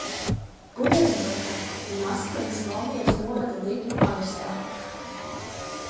Budenbroka ir mazciems Valmieras novada Dikļu pagastā.